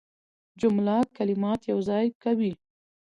جمله کلمات یوځای کوي.